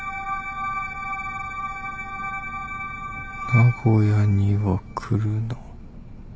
「名古屋には来るな」